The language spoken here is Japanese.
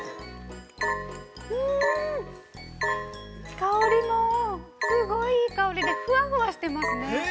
香りもすごいいい香りで、ふわふわしてますね。